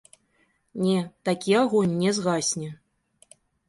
Не, такі агонь не згасне.